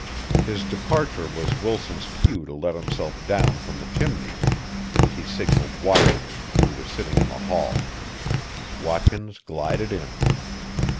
His departure was Wilson's cue to let himself down from the chimney. He signalled Watkins, who was sitting in the hall. Watkins glided in.